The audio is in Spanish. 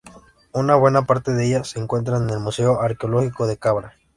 Una buena parte de ellas se encuentran en el Museo Arqueológico de Cabra.